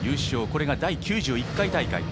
これが第９１回大会。